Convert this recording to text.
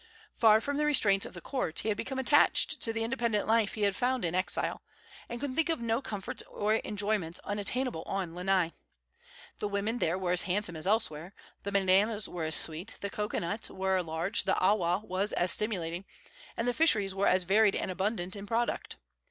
Far from the restraints of the court, he had become attached to the independent life he had found in exile, and could think of no comforts or enjoyments unattainable on Lanai. The women there were as handsome as elsewhere, the bananas were as sweet, the cocoanuts were as large, the awa was as stimulating, and the fisheries were as varied and abundant in product.